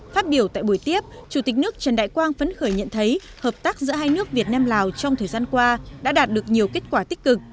phát biểu tại buổi tiếp chủ tịch nước trần đại quang phấn khởi nhận thấy hợp tác giữa hai nước việt nam lào trong thời gian qua đã đạt được nhiều kết quả tích cực